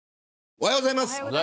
おはようございます。